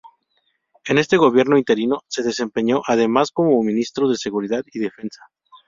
En este gobierno interino, se desempeñó además como Ministro de Seguridad y Defensa.